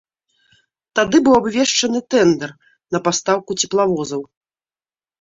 Тады быў абвешчаны тэндэр на пастаўку цеплавозаў.